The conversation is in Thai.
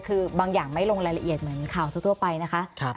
คือบางอย่างไม่ลงรายละเอียดเหมือนข่าวทั่วไปนะคะ